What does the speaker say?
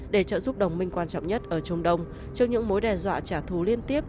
để trợ giúp đồng minh quan trọng nhất ở trung đông trước những mối đe dọa trả thù liên tiếp